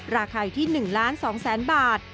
ราคาอยู่ที่๑๒๐๐๐๐บาท